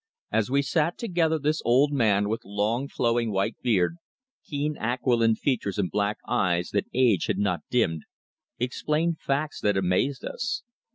As we sat together this old man with long flowing white beard, keen aquiline features and black eyes that age had not dimmed, explained facts that amazed us.